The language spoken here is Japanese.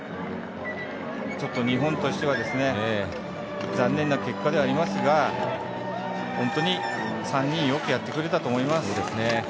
日本としては残念な結果ではありますが本当に３人はよくやってくれたと思います。